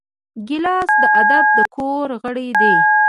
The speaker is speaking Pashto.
ګیلاس د ادب د کور غړی دی.